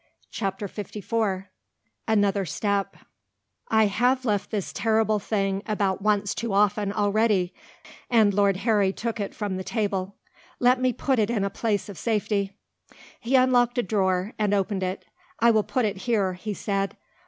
CHAPTER LIV ANOTHER STEP "I HAVE left this terrible thing about once too often already," and Lord Harry took it from the table. "Let me put it in a place of safety." He unlocked a drawer and opened it. "I will put it here," he said.